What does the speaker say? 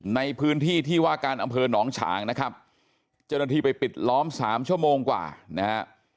ในพื้นที่ที่ว่าการอำเภอหนองฉางนะครับเจ้าหน้าที่ไปปิดล้อมสามชั่วโมงกว่านะฮะ